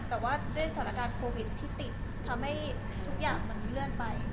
แต่ว่าด้วยสถานการณ์โควิดที่ติดทำให้ทุกอย่างมันเลื่อนไป